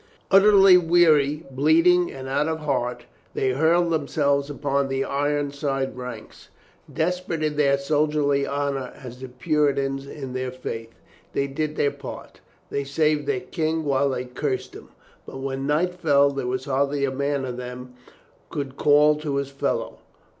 Utterly weary, bleeding and out of heart, they hurled themselves upon the Ironside ranks, desper ate in their soldierly honor as the Puritans in their faith. They did their part. They saved their King while they cursed him. But when night fell there was hardly a man of them could call to his fellow.